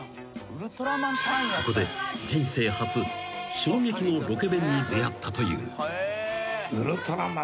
［そこで人生初衝撃のロケ弁に出合ったという］